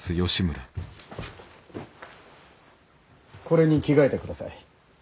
これに着替えてください。